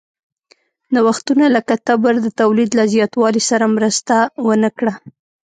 نوښتونه لکه تبر د تولید له زیاتوالي سره مرسته ونه کړه.